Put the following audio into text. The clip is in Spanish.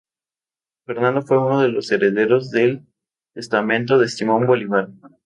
Fernando fue uno de los herederos del Testamento de Simón Bolívar.